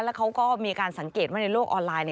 แล้วเขาก็มีการสังเกตว่าในโลกออนไลน์